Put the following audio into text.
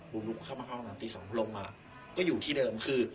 บุมลุกเข้ามาเข้ามาตอนตรีสองลงมาก็อยู่ที่เดิมคือ